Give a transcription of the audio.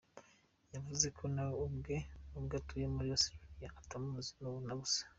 Yavuze ko na we ubwe, nubwo atuye muri Australia, atamuzi na busa.